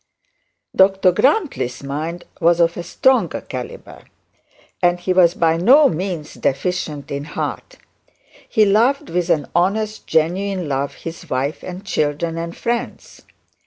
Dr Grantly's mind was of a stronger calibre, and he was by no means deficient in heart. He loved with an honest genuine love his wife and children and friends.